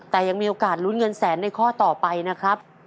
แต่ยังมีโอกาสลุ้นเงินแสนในข้อต่อไปนะครับ